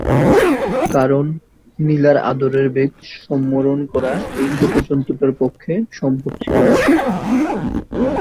কারণ, লীলার আদরের বেগ সম্বরণ করা এই ছোটো জন্তুটার পক্ষে সহজ ছিল না।